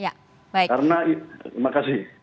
karena itu terima kasih